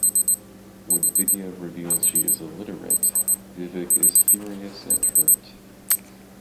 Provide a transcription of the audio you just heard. When Vidya reveals she is illiterate Vivek is furious and hurt.